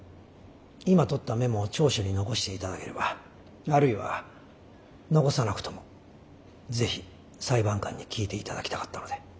今とったメモを調書に残していただければあるいは残さなくとも是非裁判官に聞いていただきたかったので。